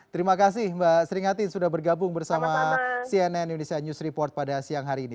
terima kasih mbak seringatin sudah bergabung bersama cnn indonesia news report pada siang hari ini